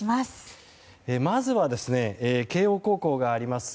まずは慶応高校があります